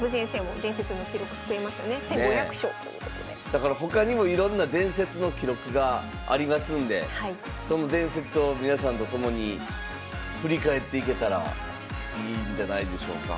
だから他にもいろんな伝説の記録がありますんでその伝説を皆さんと共に振り返っていけたらいいんじゃないでしょうか。